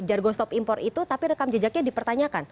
jadwal stop import itu tapi rekam jejaknya dipertanyakan